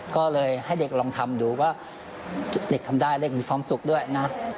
ก็เลยให้เด็กลองทำดูว่าเด็กทำได้เลขมีความสุขด้วยนะ